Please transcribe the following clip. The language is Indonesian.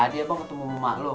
tadi abang ketemu emak lo